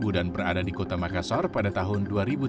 berada di kota makassar pada tahun dua ribu tiga belas